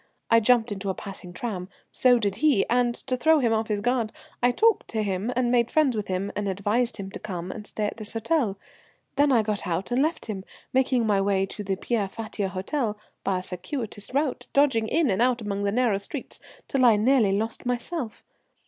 I jumped into a passing tram, so did he, and to throw him off his guard I talked to him, and made friends with him, and advised him to come and stay at this hotel. Then I got out and left him, making my way to the Pierre Fatio Hôtel by a circuitous route, dodging in and out among the narrow streets till I nearly lost myself.